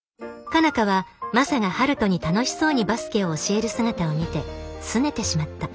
佳奈花はマサが陽斗に楽しそうにバスケを教える姿を見てすねてしまった。